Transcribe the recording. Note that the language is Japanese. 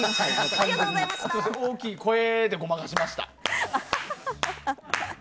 大きい声でごまかしました。